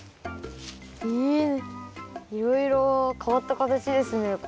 えっいろいろ変わった形ですね